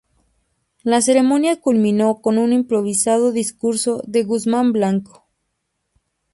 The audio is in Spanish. La ceremonia culminó con un improvisado discurso de Guzmán Blanco.